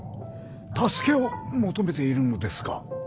助けを求めているのですか？